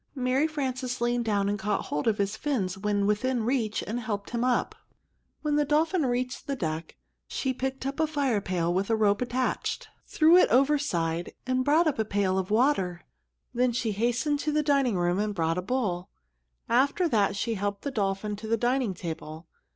Mary Frances leaned down and caught hold of his fins, when within reach, and helped him up. When the dolphin reached the deck, she picked up a fire pail with a rope attached, threw it overside, and brought up a pail of water. Then she hastened to the dining room and brought a bowl. After that she helped the dolphin to the dining table.